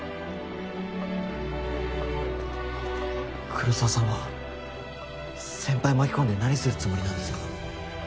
黒澤さんは先輩巻き込んで何するつもりなんですか？